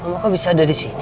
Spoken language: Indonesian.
mama kok bisa ada di sini